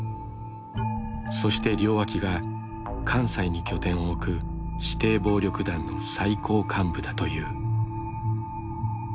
そして両脇が関西に拠点を置く指定暴力団の最高幹部だという。